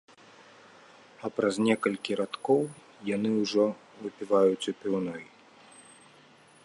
А праз некалькі радкоў яны ўжо выпіваюць у піўной.